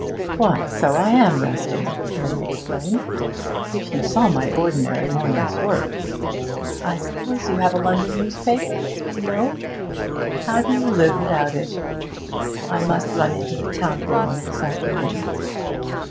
'Why, so I am resting!' May exclaimed. 'If you saw my ordinary morning's work! I suppose you have a London newspaper? No? How do you live without it? I must run into the town for one this afternoon.'